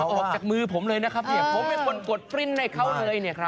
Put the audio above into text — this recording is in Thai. ออกจากมือผมเลยนะครับผมเป็นคนกดปริ้นในเขาเลยเนี่ยครับ